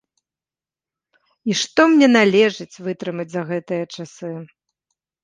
І што мне належыць вытрымаць за гэтыя часы!